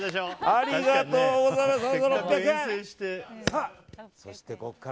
ありがとうございます。